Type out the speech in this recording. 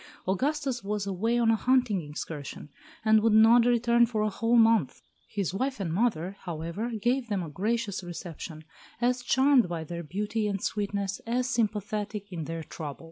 Augustus was away on a hunting excursion, and would not return for a whole month. His wife and mother, however, gave them a gracious reception, as charmed by their beauty and sweetness as sympathetic in their trouble.